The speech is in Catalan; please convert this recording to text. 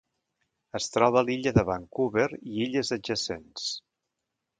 Es troba a l'illa de Vancouver i illes adjacents.